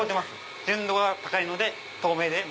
純度が高いので透明で。